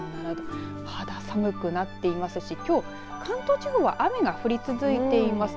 肌寒くなっていますしきょう、関東地方は雨が降り続いています。